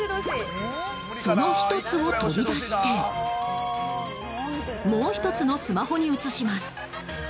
その１つを取り出してもう一つのスマホに移します。